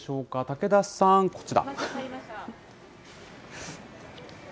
武田さん、こちら。